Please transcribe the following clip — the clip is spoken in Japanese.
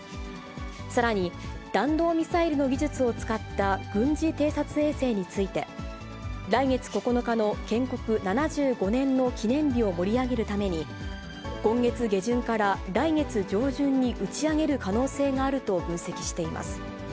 さらに、弾道ミサイルの技術を使った軍事偵察衛星について、来月９日の建国７５年の記念日を盛り上げるために、今月下旬から来月上旬に打ち上げる可能性があると分析しています。